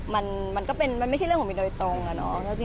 มันก็เป็นมันไม่ใช่เรื่องของมินโดยตรงอะเนาะ